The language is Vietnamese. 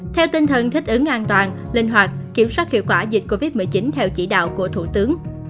theo tinh thần thích ứng an toàn linh hoạt kiểm soát hiệu quả dịch covid một mươi chín theo chỉ đạo của thủ tướng